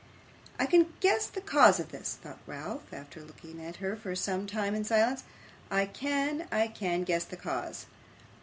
'I can guess the cause of this!' thought Ralph, after looking at her for some time in silence. 'I can I can guess the cause.